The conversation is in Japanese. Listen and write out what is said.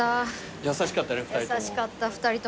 優しかったね２人とも。